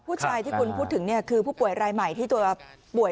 ผู้ชายที่คุณพูดถึงคือผู้ป่วยรายใหม่ที่ตัวป่วย